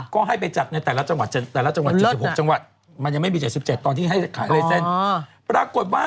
ก็ให้จัดในแต่ละจังหวัด